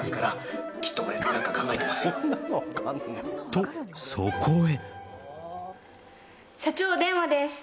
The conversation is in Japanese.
と、そこへ。